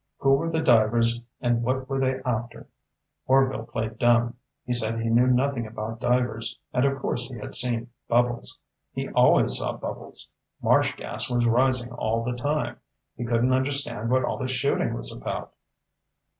Who were the divers and what were they after? Orvil played dumb. He said he knew nothing about divers and of course he had seen bubbles. He always saw bubbles. Marsh gas was rising all the time. He couldn't understand what all the shooting was about."